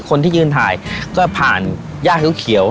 คนที่ยืนถ่ายก็ผ่านหญ้าเข้าเขียว